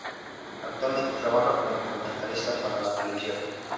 Actualmente trabaja como comentarista para la televisión.